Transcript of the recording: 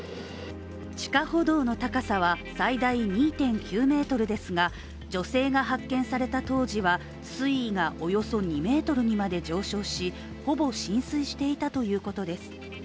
地下歩道の高さは最大２．９ｍですが女性が発見された当時は水位がおよそ２ｍにまで上昇しほぼ浸水していたということです。